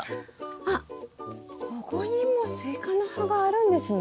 あっここにもスイカの葉があるんですね。